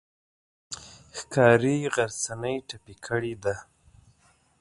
ښکاري غرڅنۍ ټپي کړې ده.